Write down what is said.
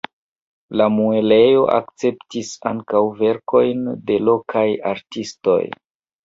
La muelejo akceptas ankaŭ verkojn de lokaj artistoj.